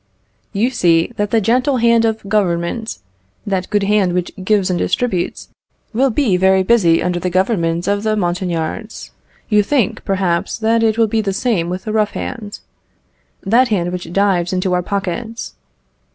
You see that the gentle hand of Government that good hand which gives and distributes, will be very busy under the government of the Montagnards. You think, perhaps, that it will be the same with the rough hand that hand which dives into our pockets.